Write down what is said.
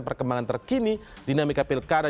perkembangan terkini dinamika pilkada